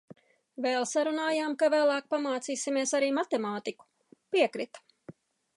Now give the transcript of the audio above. Vēl sarunājām, ka vēlāk pamācīsimies arī matemātiku. Piekrita.